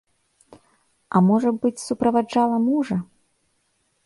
А, можа быць, суправаджала мужа?